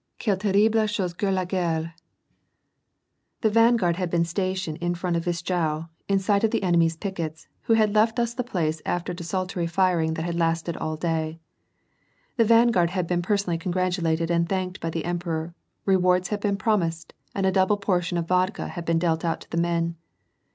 — Quelle terrible chose que la guerre !" The vanguard had been stationed in front of Wischau, in sight of the enemy's pickets, who had left us the place after desultory firing that had lasted all day. The vanguard had been personally congratulated and thanked by the emperor, rewards had been promised, and a double portion of vodka had been dealt out to the men.